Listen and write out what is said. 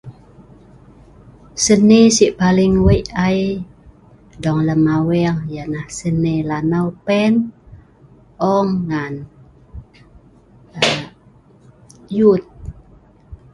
Seni si' paling wei ai dong lem aweeng ya'nah seni lanau pen, ong ngan yuet.